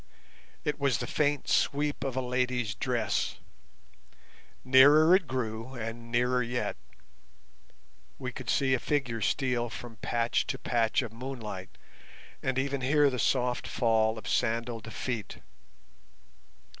It was the faint sweep of a lady's dress. Nearer it grew, and nearer yet. We could see a figure steal from patch to patch of moonlight, and even hear the soft fall of sandalled feet.